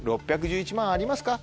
６１１万ありますか？